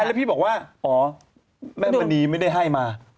สุดท้ายพี่บอกว่าแม่มณีไม่ได้ให้มา